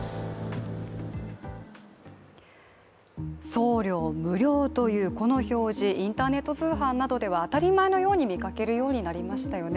送料無料というこの表示、インターネット通販などでは当たり前のように見かけるようになりましたよね。